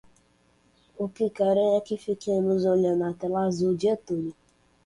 O que querem é que fiquemos olhando a tela azul o dia todo